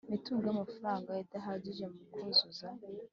Mitungo y amafaranga idahagije mu kuzuza